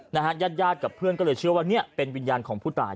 ญาติญาติกับเพื่อนก็เลยเชื่อว่าเนี่ยเป็นวิญญาณของผู้ตาย